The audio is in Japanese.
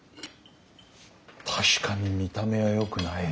確かに見た目はよくない。